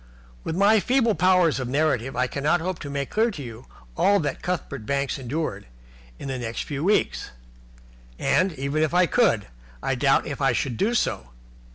With my feeble powers of narrative, I cannot hope to make clear to you all that Cuthbert Banks endured in the next few weeks. And, even if I could, I doubt if I should do so.